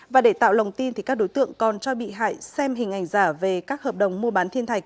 và để tạo lòng tin thì các đối tượng còn cho bị hại xem hình ảnh giả về các hợp đồng mua bán thiên thạch